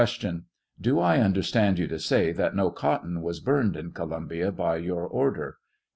Do I understand you to say that no cotton was burned in Columbia by your order